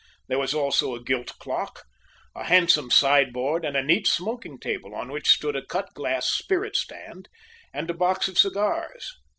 There was also a gilt clock, a handsome sideboard, and a neat smoking table, on which stood a cut glass spirit stand and a box of cigars.